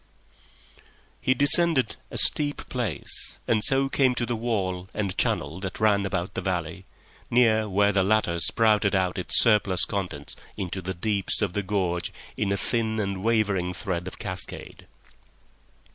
He descended a steep place, and so came to the wall and channel that ran about the valley, near where the latter spouted out its surplus contents into the deeps of the gorge in a thin and wavering thread of cascade.